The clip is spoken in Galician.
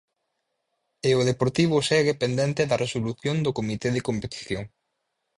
E o Deportivo segue pendente da resolución do Comité de Competición.